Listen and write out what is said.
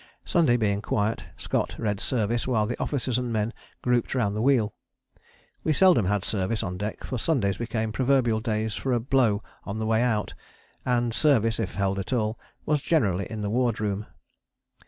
Sunday being quiet Scott read service while the officers and men grouped round the wheel. We seldom had service on deck; for Sundays became proverbial days for a blow on the way out, and service, if held at all, was generally in the ward room.